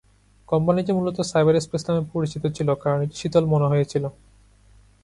কোম্পানিটি মূলত সাইবারস্পেস নামে পরিচিত ছিল কারণ "এটি শীতল মনে হয়েছিল"।